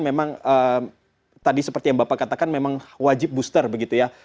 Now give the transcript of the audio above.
memang tadi seperti yang bapak katakan memang wajib booster begitu ya